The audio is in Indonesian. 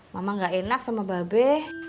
mama nggak enak sama mbak be